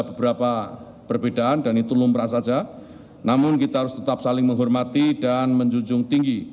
beberapa perbedaan dan itu lumrah saja namun kita harus tetap saling menghormati dan menjunjung tinggi